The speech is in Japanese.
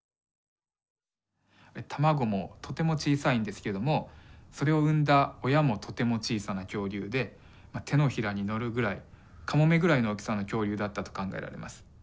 卵もとても小さいんですけどもそれを産んだ親もとても小さな恐竜で手のひらに乗るぐらいカモメぐらいの大きさの恐竜だったと考えられます。